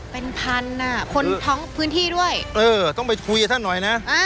เป็นพันอ่ะคนท้องพื้นที่ด้วยเออต้องไปคุยกับท่านหน่อยนะ